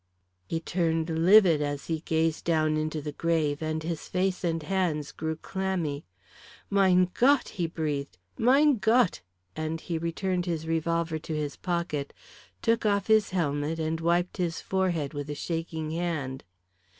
He turned livid as he gazed down into the grave, and his hands and face grew clammy. "Mein Gott!" he breathed. "Mein Gott!" and he returned his revolver to his pocket, took off his helmet and wiped his forehead with a shaking hand.